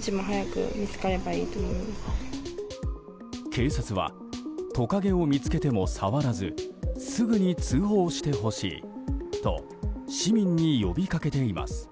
警察はトカゲを見つけても触らずすぐに通報してほしいと市民に呼びかけています。